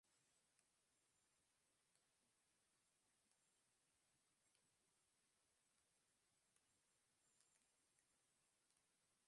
বাংলা ভাষা ও বাংলাদেশের সংস্কৃতিকে তিনি বাঙালি জাতীয়তাবাদের প্রথম স্তম্ভ মনে করতেন।